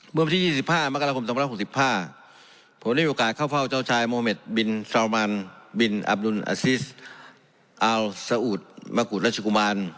เมื่อวันที่๒๕มกราคม๒๖๕ผมได้มีโอกาสเข้าเฝ้าเจ้าชายโมเมดบินทราวมันบินอับดุลอาซิสอัลซาอุดมะกุฎรัชกุมาร